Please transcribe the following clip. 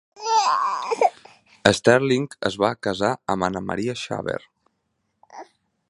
Sterling es va casar amb Anna Maria Shaver.